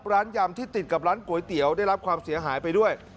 ยำที่ติดกับร้านก๋วยเตี๋ยวได้รับความเสียหายไปด้วย